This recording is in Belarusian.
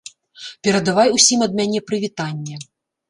Перадавай усім ад мяне прывітанне.